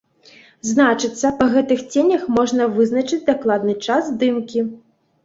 Значыцца, па гэтых ценях можна вызначыць дакладны час здымкі.